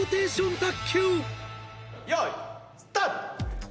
よーいスタート！